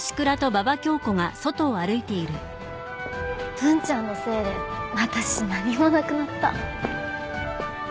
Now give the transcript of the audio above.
文ちゃんのせいで私何もなくなった。